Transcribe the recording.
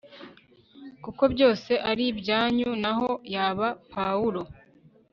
kuko byose ari ibyanyu naho yaba pawulo